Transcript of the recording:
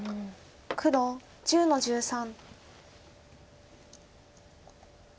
黒１０の十三。